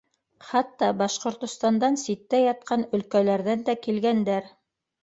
Хатта Башҡортостандан ситтә ятҡан әлкәләрҙән дә килгәндәр.